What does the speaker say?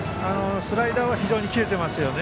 スライダーは非常に切れていますよね。